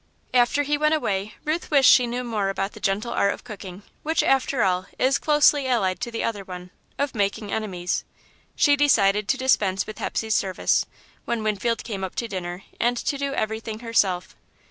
After he went away, Ruth wished she knew more about the gentle art of cooking, which, after all, is closely allied to the other one of making enemies. She decided to dispense with Hepsey's services, when Winfield came up to dinner, and to do everything herself.